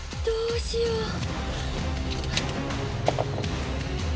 どうしよう。